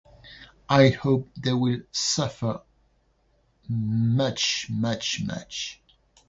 I hope that will suffer much much much